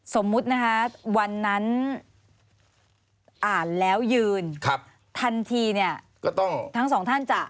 สมมุตินะคะวันนั้นอ่านแล้วยืนทันทีเนี่ยก็ต้องทั้งสองท่านจะ